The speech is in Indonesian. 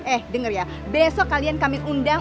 eh dengar ya besok kalian kami undang